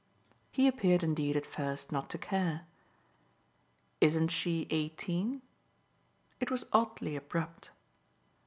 He appeared indeed at first not to care. "Isn't she eighteen?" it was oddly abrupt.